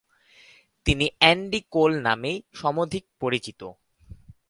তিনি Andy Cole নামেই সমধিক পরিচিত।